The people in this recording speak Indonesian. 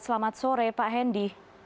selamat sore pak hendy